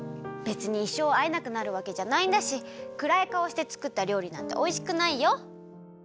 べつにいっしょうあえなくなるわけじゃないんだしくらいかおしてつくったりょうりなんておいしくないよ！